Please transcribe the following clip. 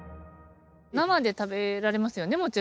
生で食べられますよね？